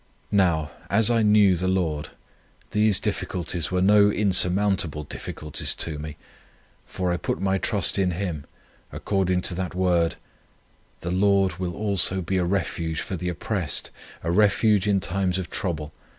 Now, as I knew the Lord, these difficulties were no insurmountable difficulties to me, for I put my trust in Him, according to that word: "The Lord also will be a refuge for the oppressed, a refuge in times of trouble.